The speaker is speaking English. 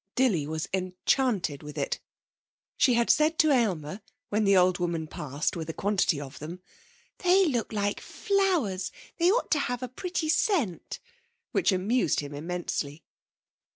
Dilly was enchanted with it. She had said to Aylmer when the old woman passed with a quantity of them. 'They look like flowers; they ought to have a pretty scent,' which amused him immensely.